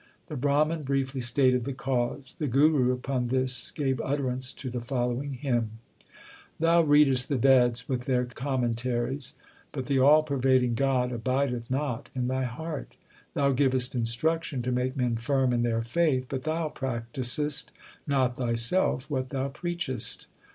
The Brahman briefly stated the cause. The Guru upon this gave utterance to the following hymn : Thou readest the Veds with their commentaries, But the all pervading God abideth not in thy heart. 1 Thou givest instruction to make men firm in their faith, But thou practisest not thyself what thou preachest.